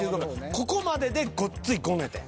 ここまででごっついごねてん。